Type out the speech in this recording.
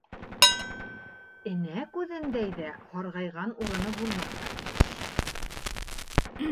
Энә күҙендәй ҙә һарғайған урыны булмаҫҡа тейеш.